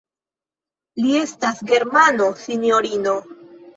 Li estas Germano, sinjorino.